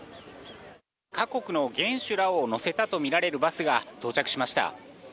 各国の元首らを乗せたとみられるバスが到着しました。